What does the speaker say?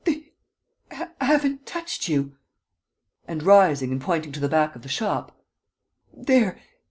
"They haven't touched you!" And, rising and pointing to the back of the shop: "There